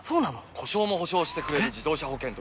故障も補償してくれる自動車保険といえば？